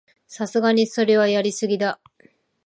さすがにそれはやりすぎだ